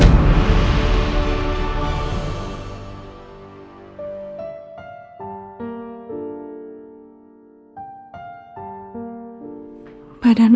jangan lupa subscribe video hop jonah